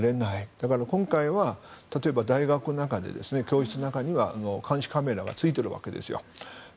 だから例えば大学の中で教室の中には監視カメラがついているわけですよ。